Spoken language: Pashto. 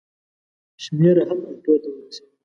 شمېر هم اتو ته ورسېدی.